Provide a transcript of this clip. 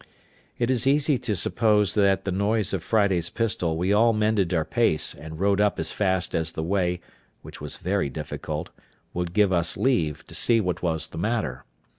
It is easy to suppose that at the noise of Friday's pistol we all mended our pace, and rode up as fast as the way, which was very difficult, would give us leave, to see what was the matter.